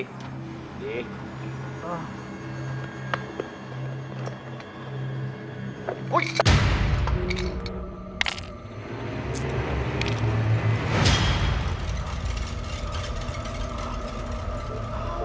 ดี